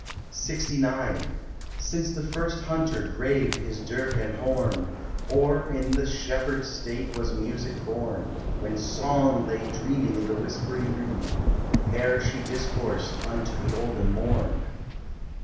LXIX Since the first hunter graved his dirk and horn, Or in the shepherd state was music born— When Song lay dreaming in the whispering reed, Ere she discoursed unto the golden morn.